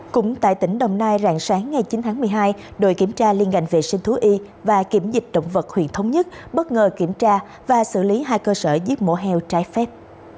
cũng tại tỉnh đồng nai rạng sáng ngày chín tháng một mươi hai đội kiểm tra liên ngành vệ sinh thú y và kiểm dịch động vật huyện thống nhất bất ngờ kiểm tra và xử lý hai cơ sở giết mổ heo trái phép